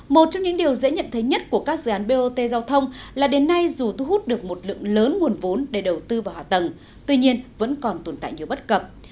một trong những điều dễ nhận thấy nhất của các dự án bot giao thông là đến nay dù thu hút được một lượng lớn nguồn vốn để đầu tư vào hạ tầng tuy nhiên vẫn còn tồn tại nhiều bất cập